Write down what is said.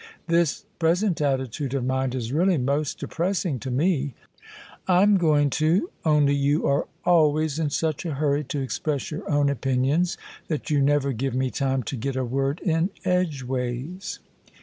This present attitude of mind is really most depress ing to mel" " I'm going to, only you are always in such a hurry to express your own opinions that you never give me time to get a word in edgeways."